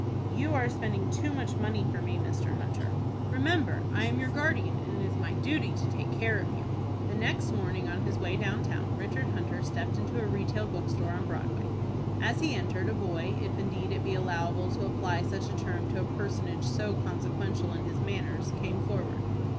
"You are spending too much money for me, Mr Hunter." "Remember I am your guardian, and it is my duty to take care of you." The next morning on his way down town, Richard Hunter stepped into a retail bookstore on Broadway. As he entered, a boy, if indeed it be allowable to apply such a term to a personage so consequential in his manners, came forward.